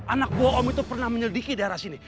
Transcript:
anak buah om itu pernah menyelidiki daerah sini